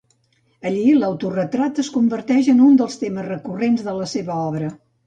Allí, l'autoretrat es converteix en un dels temes recurrents de la seva obra.